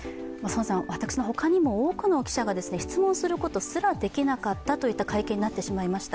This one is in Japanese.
私の他にも多くの記者が質問することすらできなかったという会見になってしまいました。